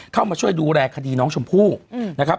เข้ามาช่วยดูแลคดีน้องชมพู่นะครับ